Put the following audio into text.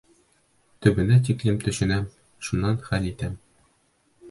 Төбөнә тиклем төшөнәм, шунан хәл итәм.